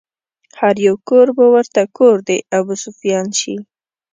هر يو کور به ورته کور د ابوسفيان شي